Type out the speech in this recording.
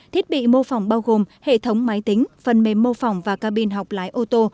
thiết bị mô phỏng bao gồm hệ thống máy tính phần mềm mô phỏng và cabin học lái ô tô